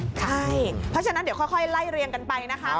เพราะฉะนั้นเดี๋ยวค่อยไล่เรียงกันไปนะคะ